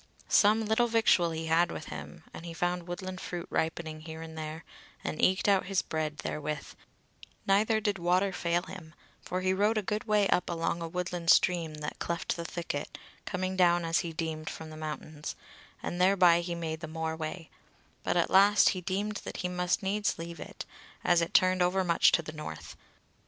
Some little victual he had with him, and he found woodland fruit ripening here and there, and eked out his bread therewith; neither did water fail him, for he rode a good way up along a woodland stream that cleft the thicket, coming down as he deemed from the mountains, and thereby he made the more way: but at last he deemed that he must needs leave it, as it turned overmuch to the north.